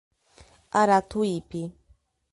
Aratuípe